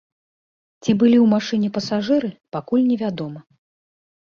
Ці былі ў машыне пасажыры, пакуль невядома.